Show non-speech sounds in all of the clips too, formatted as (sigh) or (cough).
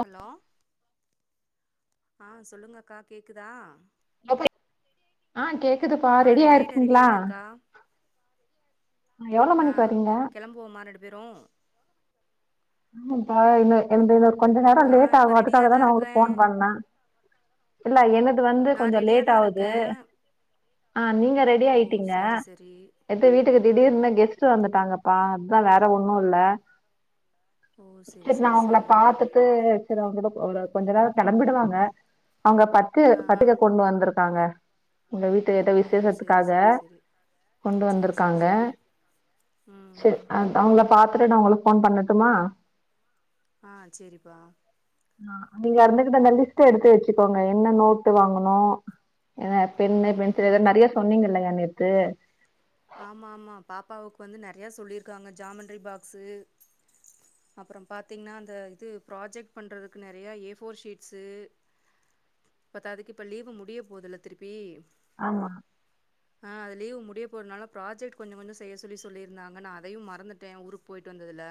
Hello ஆ சொல்லுங்கக்கா கேக்குதா ஆ கேக்குதுப்பா ரெடியாயிருக்கீங்களா ஆ கெளம்புவோம்மா ரெண்டு பேரு ஆ இன்னு எந்த ஒரு கொஞ்ச நேர லேட் ஆகு அதுக்காகதா நா உங்களுக்கு போன் பண்ணே இல்ல என்னுது வந்து கொஞ்ச லேட் ஆகுது ஆ நீங்க ரெடி ஆயிட்டீங்க வீட்டுக்கு திடிர்னு கெஸ்ட்டு வந்துட்டாங்க அதா வேற ஒன்னு இல்ல சேரி நா அவங்கள பாத்துட்டு சேரி அவங்களட கொஞ்ச நேர கெளம்பிடுவாங்க அவங்க பத் க்கூ பட்டுகை கொண்டு வந்திருக்காங்க உங்க வீட்டு கட்ட விசேஷத்துக்காக கொண்டு வந்திருக்காங்க சேரி அ அவங்கல பாத்துட்டு நா உங்களுக்கு போன் பண்ணட்டுமா ஆ சேரிபா ஆ நீங்க இருந்துகட்டு அந்த லிஸ்ட்டு எடுத்து வச்சுக்கோங்க என்ன நோட்டு வாங்கனு ஏதே பெண்ணு பெண்சிலு ஏதோ நெ நெறைய சொன்னீங்கல்லையா நேத்து ஆமா ஆமா பாப்பாவுக்கு வந்து நெறைய சொல்லியிருக்காங்க ஜாமன்ரி பாக்ஸு அப்பற பாத்திங்னா அந்த இது ப்ராஜெக்ட் பண்றதுக்கு நெறையா ஏ ஃபோர் ஷீட்ஸு பத்தாதக்கு இப்ப லீவு முடிய போவுதுல்ல திருப்பி ஆமா ஆ லீவு முடியப் போறனால ப்ராஜெக்ட் கொஞ்ச கொஞ்ச செய்ய சொல்லி சொல்லிருந்தாங்க நா அதையு மறந்துட்ட ஊருக்கு போயிட்டு வந்ததுல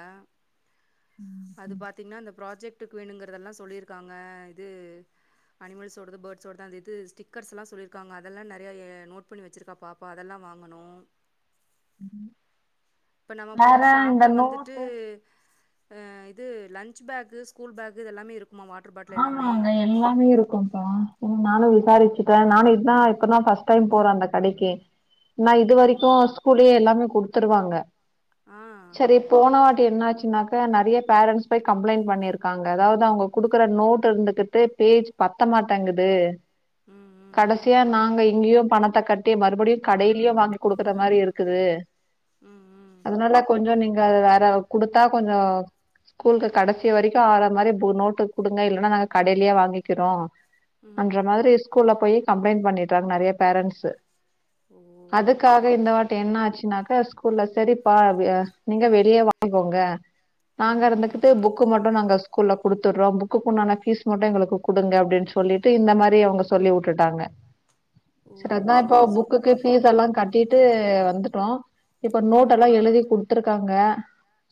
அது பாத்திங்னா அந்த ப்ராஜெக்டுக்கு வேணுங்கிறதெல்லா சொல்லிருக்காங்க இது அனிமல்ஸோடது பேர்ட்ஸோடது அந்த இது ஸ்டிக்கர்ஸ் எல்லா சொல்லிருக்காங்க அதெல்லா நெறைய எ நோட் பண்ணி வெச்சிருக்கா பாப்பா அதெல்லா வாங் கணு இப்ப நம்ம போற ஷாப்ல வந்துட்டு ஆ இது லன்ச் பேக்கு ஸ்கூல் பேக்கு இது எல்லாமே இருக்குமா வாட் ஆமாங்க எல்லாமே இருக்கும்ப்பா ம் நானு விசாரிச்சுட்ட நானு இதா இப்பதா ஃபஸ்ட் டைம் போற அந்த கடைக்கு நா இது வரைக்கு ஸ்கூல்லயே எல்லாமே குடுத்துருவாங்க சரி போனவாட்டி என்னாச்சுனாக்க நெறய பேரண்ட்ஸ் போய் கம்ப்ளைண்ட் பண்ணிருக்காங்க அதாவது அவங்க குடு க்கற நோட் இருந்துகிட்டு பேஜ் பத்த மாட்டங்குது கடசியா நாங்க இங்கயு பணத்த கட் டி மறுபடியு கடயிலயே வாங்கி குடுக்குற மாரி இருக்குது அதனால கொஞ்ச நீங்க வேற குடுத்தா கொஞ்ச ஸ்கூல்க்கு கடசி வரைக்கு ஆற மாரி நோட்டு குடுங்க இல்லன்னா நாங்க கடையிலயே வாங்கிக்கறோ ன்ற மாதிரி ஸ்கூல்ல போயி கம்ப்ளைண்ட் பண்ணிட்ங்க நெறய பேரண்ட்ஸு அதுக்காக இந்த வாட்டி என்ன ஆச்சுனாக்க ஸ் கூல்ல சரிப்பா அ நீங்க வெளிய வாங்கிக்கோங்க நாங்க இருந்துகிட்டு புக்கு மட்டு நாங்க ஸ்கூல்ல குடுத்துர்றோ புக் குக்குண்டான ஃபீஸ் மட்டு எங்களுக்கு குடுங்க அப்டின்னு சொல்லிட்டு இந்த மாரி அவங்க சொல்லி உட்டுட்டாங்க செரி அதா இப்ப புக்குக்கு ஃபீஸ் எல்லா கட் டிட்டு வந்துட்டோ இப்ப நோட் எல்லா எழுதி குடுத்துருக்காங்க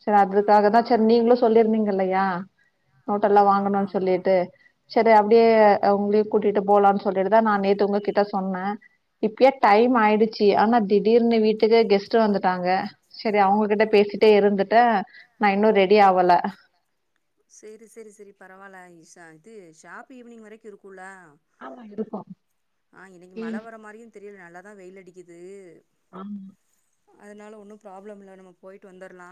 செர் அதுக்காகதா செர் நீங்களு சொல்லிருந்திங்க இல்லயா நோட்டெல்லா வாங் செரி அப்படியே உங்களையு கூட்டிட்டு போலானு சொல்லிட்டுதா நா நேத்து உங்க கிட்ட சொன்ன இப்பயே டைம் ஆயிடுச்சு ஆனா திடீர்னு வீட்டுக்கு கெஸ்ட்டு வந்துட்டாங்க செரி அவங்ககிட்ட பேசிட்டே இருந்துட்ட நா இன்னு ரெடி ஆவல செரி செரி செரி பரவால்ல இது ஷாப் ஈவினிங் வரைக்கு இருக்குல ஆ இன்னிக்கு மழ வர மாரியு தெரியல நல்லாதா வெயில் அடிக்குது ஆமா அதனால ஒன்னு ப்ராப்ளம் இல்ல நம்ம போயிட்டு வந்தர்லா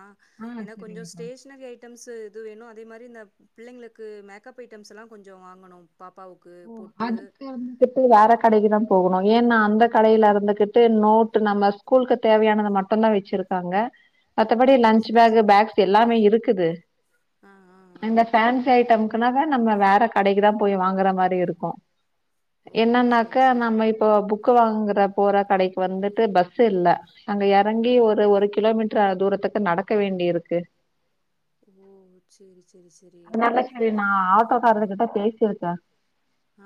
ஏன்னா கொஞ்ச ஸ்டேஷனரி ஐட் ஐட்டம்ஸு இது வேணு அதே மாரி இந்த பிள்ளைங்களுக்கு மேக்கப் ஐட்டம்ஸ் எல்லா கொஞ்ச வாங்கணும் பாப்பாவுக்கு ஓ அதுக்கு வந்து ட்டு வேற கடைக்குதா போகணு ஏன்னா அந்த கடையில இருந்துகிட்டு நோட்டு நம்ம ஸ்கூல்க்கு தேவையானத மட்டுந்தா வெச்சிருக்காங்க மத்தபடி லன்ச் பேக் பேக்ஸ் எல்லாமே இருக்குது இந்த ஃபேன்சி ஐட்டம்க்குனாதா நம்ம வேற கடைக்குதா போய் வாங்கற மாரி இருக்கு என்னன்னாக்க நம்ம இப்ப புக் கு வாங்கற போற கடைக்கு வந்துட்டு பஸ் இல்ல அங்க எறங்கி ஒரு ஒரு கிலோமீட் அ தூரத்துக்கு நடக்க வேண்டி இருக்கு ஓ செரி செரி செரி செரி நா ஆட்டோக்காரு கிட்ட பேசிருக்கே அ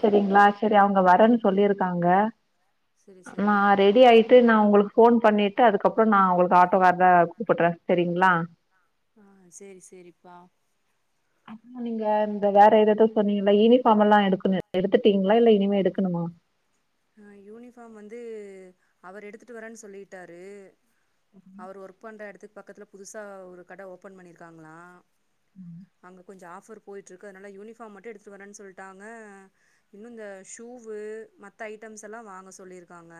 செரிங்களா செரி அவுங்க வரேன்னு சொல்லியிருக்காங்க செரி செரி நா ரெடி ஆயிட்டு நா உங்களுக்கு போன் பண்ணிட்டு அதுக்கப்றோ நா உங்களுக்கு ஆட்டோக்கார கூப்பிடுறே செரிங்களா ஆ செரி செரிப்பா நீங்க இந்த வேற ஏதோதோ சொன்னீங்கல யூனிஃபார்ம் எல்லா எடுக்னும்னு எடுத்து இருப்பீங்களா இல்ல இனிமே எடுக்கணுமா ஆ யூனிஃபார்ம் வந்து அவர் எடுத்துட்டு வரேன்னு சொல்லிட்டாரு அவரு ஒர்க் பண்ற இடத்துக்கு பக்கத்துல புதுசா ஒரு கடை ஓபன் பண்ணிருக்காங்களாம் அங்க கொஞ்சம் ஆஃபர் போயிட்டு இருக்கு அதனால யூனிஃபாம் மட்டும் எடுத்துட்டு வரேன்னு சொல்லிட்டாங்க இன்னும் இந்த ஷூவு மத்த ஐட்டம்ஸ் எல்லா வாங்க சொல்லியிருக்காங்க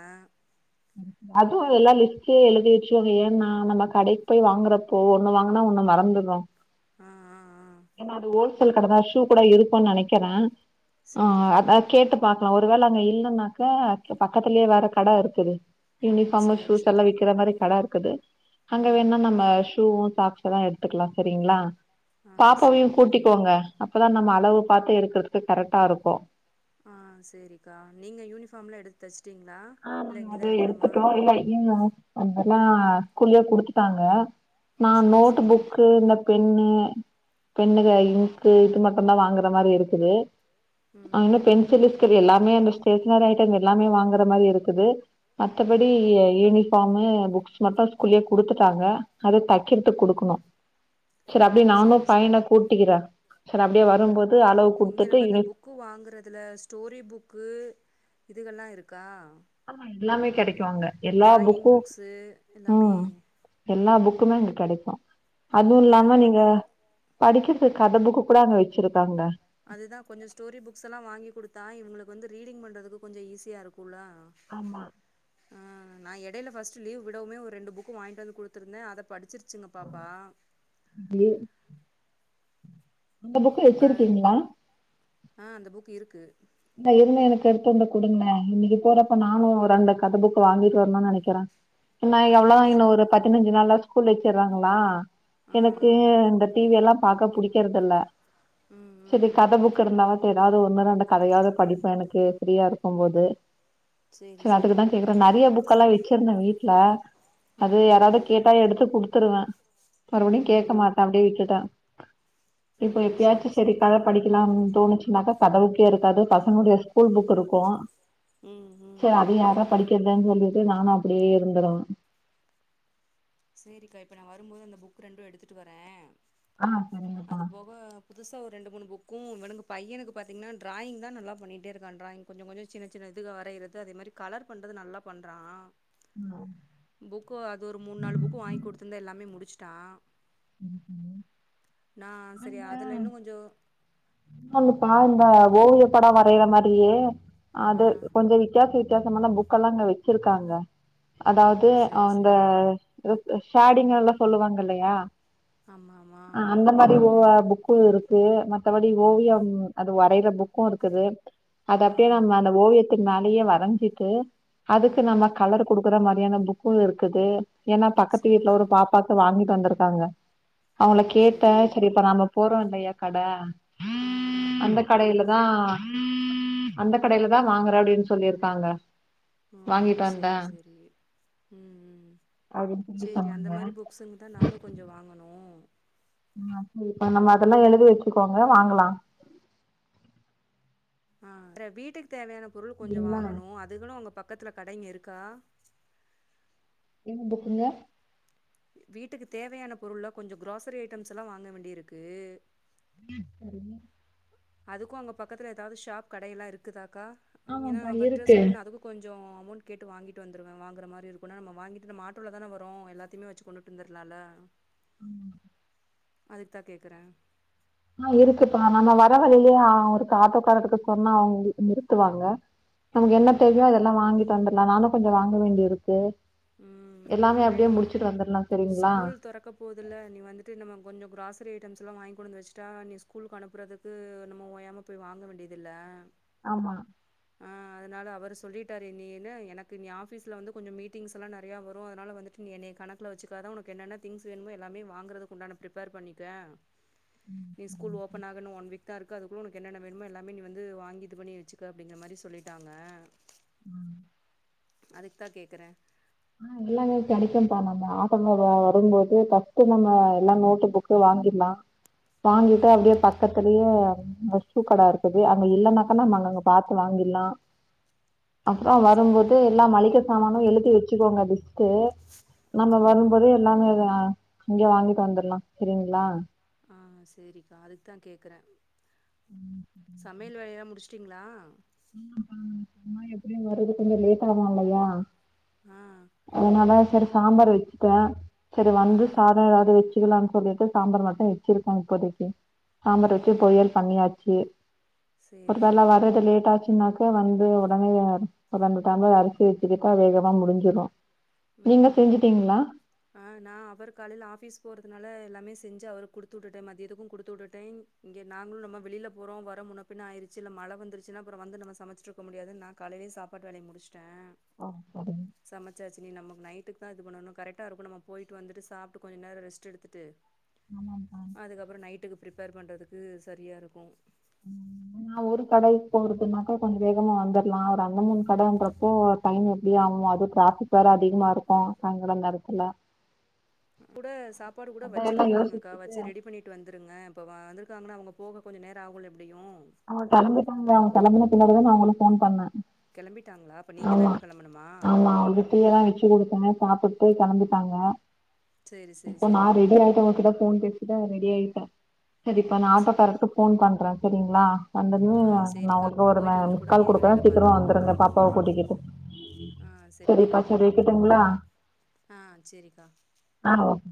அதுவும் எல்லா லிஸ்டே எழுதி வச்சவங்க ஏன்னா நம்ம கடைக்கு போய் வாங்குறாப் ஒன்னு வாங்குனா ஒன்னு மறந்துறோம் ஆ ஆ ஆ ஏன்னா அது ஹோல்சேல் கடை தா ஷூ கூட இருக்கும்னு நினைக்கிறே ஆ அத கேட்டு பாக்கலா ஒரு வேல அங்க இல்லனாக்க பக்கத்துலயே வேற கடை இருக்குது யூனிஃபார் ஷூஸ் எல்லா விக்கிற மாரி கடை இருக்குது அங்க வேணா நம்ம ஷூவு சாக் தா எடுத்துக்கலா சரிங்களா பாப்பாவையு கூட்டிக்கோங்க அப்பதா நம்ம அளவு பாத்து எடுக்குறதுக்கு கரெக்டா இருக்கு ஆ செரிக்கா நீங்க யூனிஃபார்ம்லா எடுத்து தச்சிட்டிங்களா ஆ அத எடுத்துட்டோ இல்ல இன்னு அதுல்லா ஸ்கூல்லயே குடுத்துட்டாங்க நா நோட் புக்கு இந்த பெண்ணு பெண்ணு இங்கு இது மட்டுதா வாங்குற மாரி இருக்குது அனா பெண் லிஸ்கரி எல்லாமே அந்த ஸ்டேஷனரி ஐட்ட எல்லாமே வாங்குற மாரி இருக்குது மத்தபடி இனி யூனிஃபார்ம்மு புக்ஸ் மட்டும் ஸ்கூல்லயே குடுத்துட்டாங்க அத தைக்கிறதுக்கு குடுக்கணும் செரி அப்டி நானு பையன கூட்டிக்கிறேன் செரி அப்டியே வரும்போது அளவு குடுத்துட்டு புக்கு வாங்கறதுல ஸ்டனரி புக்கு இதுகலா இருக்கா ஆமா எல்லாமே கடைக்கும் அங்க எல்லா புக்கும் ம் எல்லா புக்குமே அங்க கிடைக்கும் அதுவும் இல்லாம நீங்க படிக்கிறது கதை புக்கு கூட அங்க வச்சிருக்காங்க அதுதா கொஞ்ச ஸ்டோரி புக்ஸ் எல்லா வாங்கி குடுத்தா இவங்களுக்கு வந்து ரீடிங் பண்றதுக்கு கொஞ்சம் ஈஸியா இருக்கும்ல ஆமா நா இடையில ஃபஸ்ட்டு லீவ் விடவு ஒரு ரெண்டு புக்கு வாங்கிட்டு வந்து குடுத்துருந்தேன் அத படிச்சிருச்சுங்க பாப்பா ம் அந்த புக்கு வச்சிருக்கீங்களா ஆ அந்த புக்கு இருக்கு இ இருதுன்னா எனக்கு எடுத்துண்டு குடுங்களேன் இன்னைக்கு போறப்ப நானு ரெண்டு கத புக்கு வாங்கிட்டு வரணு நினைக்கிறேன் என்ன அவ்ளோ இன்னு ஒரு பத்தினஞ்சு நாள்ல ஸ்கூல் வச்சிறங்களா எனக்கு இந்த டிவி எல்லா பாக்க புடிக்கிறதுல்ல சரி கதை புக்கு இருந்தா ஏதாது ஒண்ணு ரெண்டு கதையாது படிப்பன் எனக்கு ஃப்ரீயா இருக்கு போது செரி அதுக்குதா கேக்குறேன் நெறைய புக்கு எல்லா வச்சிருந்தே வீட்ல அது யாராவது கேட்டா எடுத்து குடுத்துருவே மறுபடியு கேக்க மாட்டே அப்டியே விட்டுட்டே இப்ப எப்பயாச்சு சரி கள படிக் ளாம்னு தோணுச்சுனாக்கா கதவுக்கே இருக்காது பசங்ளுடைய ஸ்கூல் புக் இருக்கு ம் ம் அ யாரா படிக்கதன்னு சொல்லிட்டு நானு அப்டியே இருந்துறுவ செரிக்கா இப்ப நா வரும்போது அந்த புக் ரெண்டு எடுத்துட்டு வரே அது போக புதுசா ஒரு ரெண்டு மூணு புக்கு இவனுக்கு பையனுக்கு பாத்திங்கன்னா டிராயிங் தா நல்லா பண்ணிட்டே இருக்கா டிராயிங் கொஞ்ச கொஞ்ச சின்ன சின்ன இது வரையறது அதே மாரி கலர் பண்றது நல்லா பண்றா ம் புக்கு அது ஒரு மூணு நாலு புக்கு வாங்கி கொடுத்திருந்த எல்லாமே முடிச்சுட்டா நா சரியா அதுல இன்னு கொஞ்சோ வந்துப்பாருங்க ஓவிய படோ வரையற மாரியே அது கொஞ்ச வித்தியாச வித்தியாசமல்லா புக் எல்லா இங்க வச்சிருக்காங்க அதாவது அந்த எதோ ஷாடிங்க எல்லா சொல்லுவாங்க இல்லயா ஆமா ஆ அந்த மாரி உவ புக் பு இருக்கு மத்தபடி ஓவியம் அது வரையற புக்கு இருக்குது அது அப்டியே நம்ம அந்த ஓவியத்து மேலேயே வரைஞ்சிட்டு அதுக்கு நம்ம கலர் குடுக்குற மாதிரியான புக்கு இருக்குது ஏன்னா பக்கத்து வீட்டுல ஒரு பாப்பாக்கு வாங்கிட்டு வந்திருக்காங்க அவங்கள கேட்டே சரிப்ப நாம போறோ இல்லையா கட அந்த கடையில தா அந்த கடையில தா வாங்குற அப்டின்னு சொல்லிருக்காங்க ம் சேரி சேரி ம் ம் சேரி அந்த மாறி புக்ஸுங்க தா நானு கொஞ்சோ வாங்கணு ஆ சரிப்பா நம்ம அதெல்லா எழுதி வச்சுக்கோங்க வாங்கலா ஆ ரு வீட்டுக்கு தேவையான பொருள் கொஞ்சோ வாங்கணு அதுகளு உங்க பக்கத்துல கடைங்க இருக்கா என்ன புக்குங்க வீட்டுக்கு தேவையான பொருள்லா கொஞ்சோ கிராசரி ஐட்டம்ஸ்ல்லா வாங்க வேண்டியிருக்கு சரிங்க அதுக்கு அங்க பக்கத்துல ஏதாவது ஷாப் கடையெல்லா இருக்குதாக்கா ஏன்னா அவர்ட்ட சொல்லி அதுக்கு கொஞ்சோ அமௌண்ட் கேட்டு வாங்கிட்டு வந்துடுவே வாங்கற மாறி இருக்குனா நம்ம வாங்கிட்டு நம்ம ஆட்டோல தான‌ வரோ எல்லாத்துமே வச்சு கொண்டு இருந்தரலால்ல ம் அதுக்கு தா கேக்குறே ஆ இருக்குப்பா நம்ம வர வழியிலே அவருக்கு ஆட்டோக்காரக்கு சொன்னா அவங்க நிறுத்துவாங்க நமக்கு என்ன தெரியாதுல வாங்கிட்டு வந்துடலா நானு கொஞ்சோ வாங்க வேண்டி இருக்கு எல்லாமே அப்டியே முடிச்சுட்டு வந்துரலா சரிங்களா போதுல்ல நீ வந்துட்டு நம்ம கொஞ்சோ கிராசரி ஐட்டம்ஸ்லா வாங்கி கொண்டு வந்து வச்ட்டா நீ ஸ்கூலுக்கு அனுப்புறது து நம்ம ஓயாம போய் வாங்க‌ வேண்டியது இல்ல ஆமா ஆ அதனால அவர் சொல்லிட்டாரு நீ என்ன எனக்கு நீ ஆஃபீஸ்ல வந்து கொஞ்சம் மீட் திங்ஸ்ஸல்லா நெறைய வரு அதனால வந்துட்டு நீ என்னைய கணக்குல வச்சிக்காத உனக்கு என்னென்ன தி்ங்ஸ் வேணுமோ எல்லாமேவாங்குறத்துக்குஉண்டான பிரிப்பேர் பண்ணிக்க நீ ஸ்கூல் ஓபன் ஆகனு ஒன் வீக் தா இருக்கு அதுக்குள்ள உனக்கு என்னென்ன வேணுமோ எல்லாமே நீ வந்து வாங்கி இது பண்ணி வச்சுக்க அப்டிங்கறமாரி சொல்லிட்டாங்க அதுக்தா கேக்குறே ஆ எல்லாமே கெடைக்கும்ப்பா நம்ம ஆட்டோ மேல வரும்போது ஃபஸ்ட்டு‌ நம்ம எல்லா நோட்டு புக்கு வாங்கிர்லா வாங்கிட்டு அப்டியே பக்கத்துலயே பூக்கட இருக்குது அங்க இல்லன்னாக்கா நம்ம அங்கங்க பாத்து வாங்கிர்லா அப்றோ வரும்போது எல்லா மளிக சாமானு எழுதி வச்சுக்கோங்க லிஸ் ட்டு நம்ம வரும்போதே எல்லாமே த அங்யே வாங்கிட்டு வந்தர்லா செரிங்களா ஆ சேரிக்கா அதுக்தா கேக்குறே சமையல் வேலைலா முடுச் டீங்ளா? ம் ம் ஆமா எப்டியு வரது கொஞ்ச‌ லேட் ஆகு இல்லயா ஆ அதுனால செரி சாம்பார் வச்சுட்டே‌ செரி வந்து சாத எதாவ்து வச்சு சிக்கலான் சொல்லிட்டு சாம்பார் மட்டு வச்சிருக்கே இப்போதக்கி சாம்பார் வச்சு பொறியல் பண்ணியாச்சு ஒருவேள வர்றது லேட் ஆ ச்சுன்னாக்க வந்து ஒடனே ரெண்டு டம்ளர் அரிசி வச்சுக்கிட்டா வேகமா முடிஞ்சிரு நீங்க செஞ்சுட்டீங்ளா? ஆ நா அவர் காலைல ஆஃபீஸ் போறதுனால எல்லாமே செஞ்சு அவருக் குடுத்து வுட்டுட்டே மதியத்துக்கு குடுத்து வுட்டுட்டே இங்கெ நாங்களு நம்ம வெளில போறோ வர முன்னப்பின்ன ஆயிருச்சு இல்ல மழ வந்துருச்சுனா அப்பறொ வந்து நம்ம சமச்சிட்ருக்க முடியாதுன் நா காலைலே சாப்பாட்டு வேலய முடுச்ட்டே ஆ சரி சமச்சாச்சு இனி நமக்கு நைட்டுக்தா இது பண்ணனு கரெக்டா இருக்கு நம்ம போயிட்டு வந்துட்டு சாப்ட்டு கொஞ்ச‌ நேர ரெஸ்ட் எடுத்துட்டு ஆமாங்க்கா அதுக்கப்றொ நைட்டுக்கு ப்ரிப்பேர் பண்றதுக்கு சரியா இருக்கு நா ஒரு கடைக் போறதுன்னாக்க கொஞ்ச வேகமா வந்தர்லா ரெண்டு மூணு கடன்றப்போ டைம் எப்டியு (unintelligible) டிராஃபிக் வேற அதிகமாருக்கு‌ சாய்ங்கால நேரத்துல கூட சாப்பாடு கூட வச்சிட்டு வந்துருங்கக்கா வச்சு ரெடி பண்ணி ட்டு வந்துருங்க இப்ப வ வந்துருக்காங்கனா அவுங்க போக கொஞ்ச நேர ஆகுல்ல எப்டியு அவுங்க கெளம்பிட்டாங்க அவுங்க கெளம்புன பின்னாடிதா நா உங்களுக் ஃபோன் பண்ணே கெளம்பிட்டாங்ளா அப்ப நீங்க தா இன்னு கெளம்பனுமா? டீயெல்லா வச்சு குடுத்தேங்க சாப்புட்டு கெளம்பிட்டாங்க இப்போ நா ரெடி ஆயிட்டு உங்க கிட்ட ஃபோன் பேசிட்டே நா ரெடி ஆயிட்டே செரிப்ப நா ஆட்டோ காரர்க்கு ஃபோன் பண்றே செரிங்ளா வந்ததுமே நா உங்ளுக்கு ஒரு ம மிஸ் கால் குடுக்குறே சீக்ரமா வந்துருங்க பாப்பாவ கூட்டிகிட்டு செரிப்பா செரி வக்கெட்டுங்ளா? ஆ சேரிக்கா ஆ ஓகே